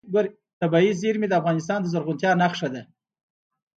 طبیعي زیرمې د افغانستان د زرغونتیا نښه ده.